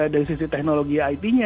dari sisi teknologi it nya